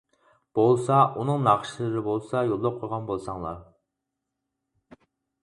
بولسا ئۇنىڭ ناخشىلىرى بولسا يوللاپ قويغان بولساڭلار.